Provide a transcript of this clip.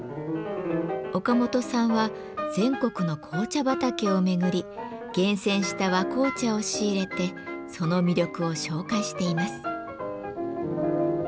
岡本さんは全国の紅茶畑を巡り厳選した和紅茶を仕入れてその魅力を紹介しています。